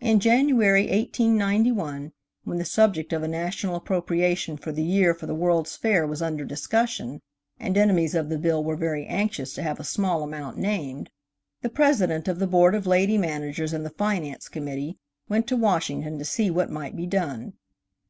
In January, 1891, when the subject of a National appropriation for the year for the World's Fair was under discussion, and enemies of the bill were very anxious to have a small amount named, the President of the Board of Lady Managers and the Finance Committee went to Washington to see what might be done.